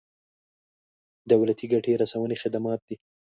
دولتي ګټې رسونې خدمات دي.